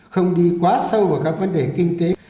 không đi quá sâu vào các vấn đề kinh tế